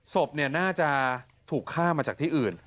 ศพน่าจะถูกฆ่ามาจากที่อื่น